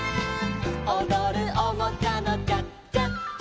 「おどるおもちゃのチャチャチャ」